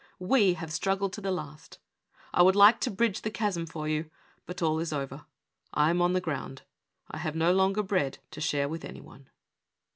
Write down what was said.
We have struggled to the last. I would like to bridge the chasm for you; but all is over. I am on the ground. I have no longer bread to share with any one."